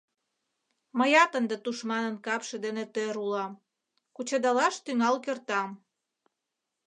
Мыят ынде тушманын капше дене тӧр улам, кучедалаш тӱҥал кертам.